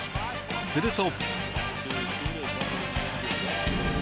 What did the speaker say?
すると。